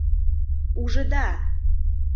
— Ужыда!